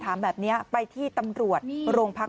ตำรวจบอกว่าแค่ผลักไม่ถือว่าเป็นการทำร้ายร่างกาย